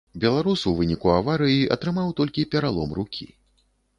Беларус у выніку аварыі атрымаў толькі пералом рукі.